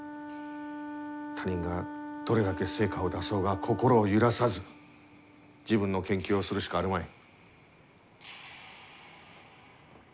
他人がどれだけ成果を出そうが心を揺らさず自分の研究をするしかあるまい。